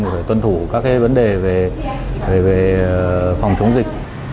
phải tuân thủ các vấn đề về phòng chống dịch